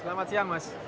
selamat siang mas